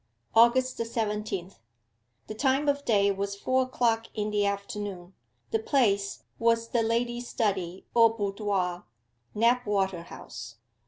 AUGUST THE SEVENTEENTH The time of day was four o'clock in the afternoon. The place was the lady's study or boudoir, Knapwater House.